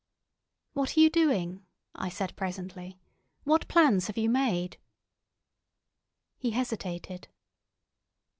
"What are you doing?" I said presently. "What plans have you made?" He hesitated.